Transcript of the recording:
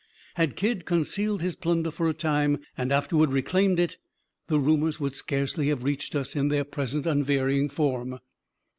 Had Kidd concealed his plunder for a time, and afterward reclaimed it, the rumors would scarcely have reached us in their present unvarying form.